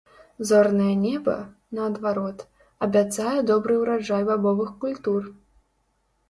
Зорнае неба, наадварот, абяцае добры ўраджай бабовых культур.